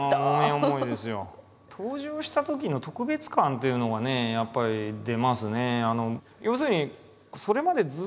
登場したときの特別感というのがねやっぱり出ますね。